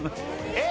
えっ？